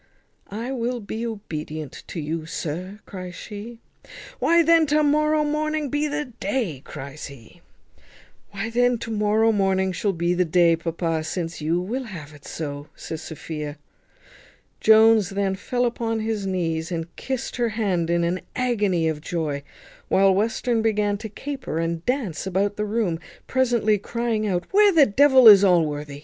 "I will be obedient to you, sir," cries she. "Why then to morrow morning be the day," cries he. "Why then to morrow morning shall be the day, papa, since you will have it so," says Sophia. Jones then fell upon his knees, and kissed her hand in an agony of joy, while Western began to caper and dance about the room, presently crying out "Where the devil is Allworthy?